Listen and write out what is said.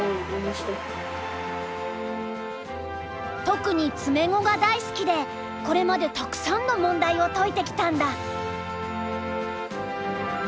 特に詰碁が大好きでこれまでたくさんの問題を解いてきたんだ。